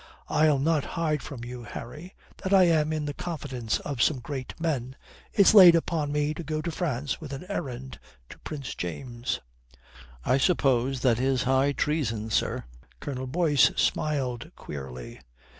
I'll not hide from you, Harry, that I am in the confidence of some great men. It's laid upon me to go to France with an errand to Prince James." "I suppose that is high treason, sir." Colonel Boyce smiled queerly.